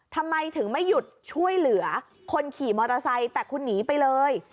ทำไมถึงไม่หยุดช่วยเหลือคนขี่มอเตอร์ไซค์แต่คุณหนีไปเลย